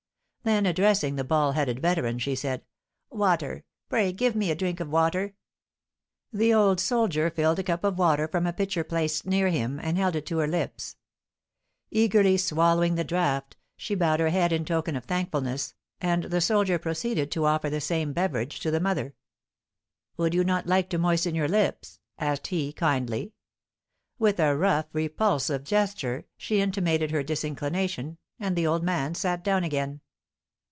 Then addressing the bald headed veteran, she said, "Water! Pray give me a drink of water!" The old soldier filled a cup of water from a pitcher placed near him, and held it to her lips. Eagerly swallowing the draught, she bowed her head in token of thankfulness, and the soldier proceeded to offer the same beverage to the mother. "Would you not like to moisten your lips?" asked he, kindly. With a rough, repulsive gesture, she intimated her disinclination, and the old man sat down again.